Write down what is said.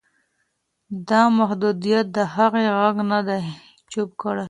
دا محدودیت د هغې غږ نه دی چوپ کړی.